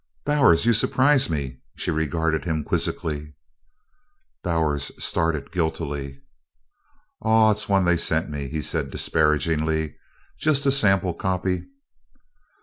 "Bowers, you surprise me!" She regarded him quizzically. Bowers started guiltily. "Aw it's one they sent me," he said disparagingly "jest a sample copy."